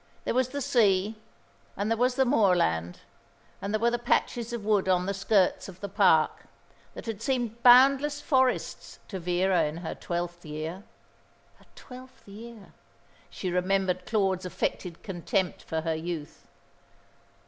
There was the sea, and there was the moorland, and there were the patches of wood on the skirts of the park, that had seemed boundless forests to Vera in her twelfth year. Her twelfth year? She remembered Claude's affected contempt for her youth.